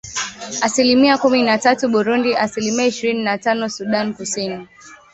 asilimia kumi na tatu Burundi asilimia ishirini na tano Sudan Kusini